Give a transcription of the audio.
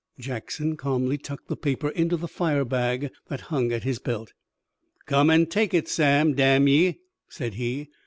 Jackson calmly tucked the paper into the fire bag that hung at his belt. "Come an' take it, Sam, damn ye!" said he.